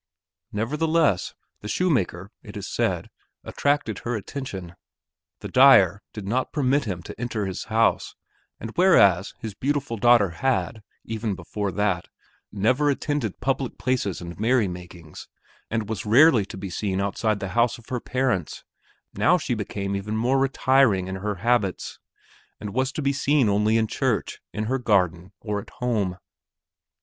Nevertheless the shoemaker, it is said, attracted her attention. The dyer did not permit him to enter his house; and whereas his beautiful daughter had, even before that, never attended public places and merry makings, and was rarely to be seen outside the house of her parents, now she became even more retiring in her habits and was to be seen only in church, in her garden, or at home.